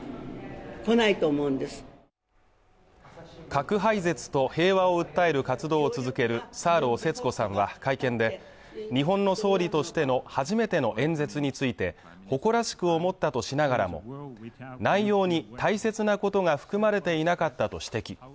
核廃絶と平和を訴える活動を続けるサーロー節子さんは会見で日本の総理としての初めての演説について誇らしく思ったとしながらも内容に大切なことが含まれていなかったと指摘